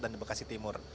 dan di bekasi timur